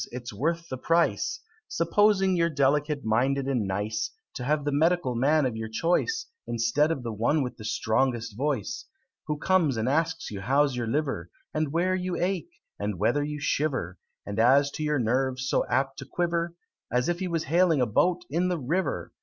it's worth the price, Supposing you're delicate minded and nice, To have the medical man of your choice, Instead of the one with the strongest voice Who comes and asks you, how's your liver, And where you ache, and whether you shiver, And as to your nerves, so apt to quiver, As if he was hailing a boat in the river!